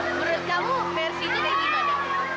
eh menurut kamu mercy ini dari gimana